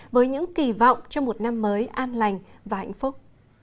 với những kỳ vọng cho một năm mới an lành và hạnh phúc